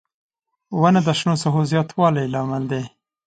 • ونه د شنو ساحو زیاتوالي لامل دی.